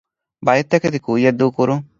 ބައެއް ތަކެތި ކުއްޔައްދޫކުރުން